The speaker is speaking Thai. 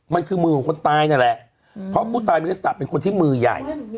มันคือมือของคนตายนั่นแหละเพราะผู้ตายมีลักษณะเป็นคนที่มือใหญ่